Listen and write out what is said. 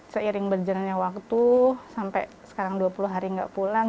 seiring berjalannya waktu sampai sekarang dua puluh hari nggak pulang